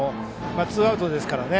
ツーアウトですからね。